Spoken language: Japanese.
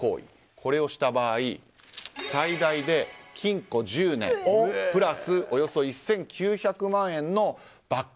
これをした場合最大で禁錮１０年プラス１９００万円の罰金。